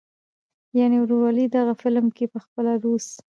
يعنې "وروولي". دغه فلم کښې پخپله روس